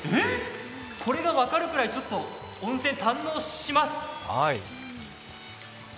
これが分かるくらい、温泉堪能します。